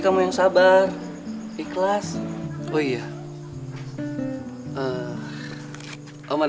bangun sabar dan sabar